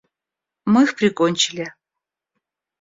Мы их прикончили.